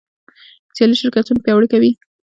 سیالي شرکتونه پیاوړي کوي.